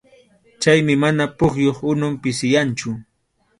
Chaymi mana pukyup unun pisiyanchu.